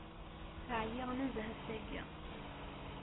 Ɛyiɣ nezzeh ass-agi.